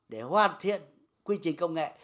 để hoàn thiện quy trình công nghệ